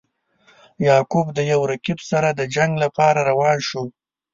یعقوب د یو رقیب سره د جنګ لپاره روان شو.